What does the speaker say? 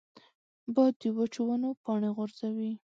باد د وچو ونو پاڼې غورځوي